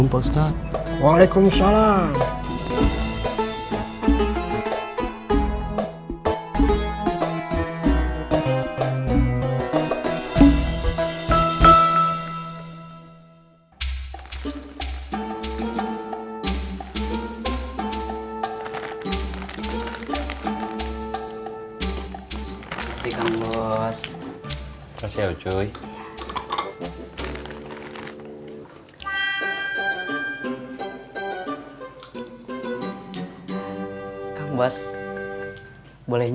makasih kang bos